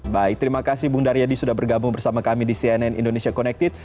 baik terima kasih bung daryadi sudah bergabung bersama kami di cnn indonesia connected